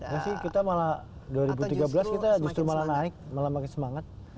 gak sih kita malah dua ribu tiga belas kita justru malah naik malah makin semangat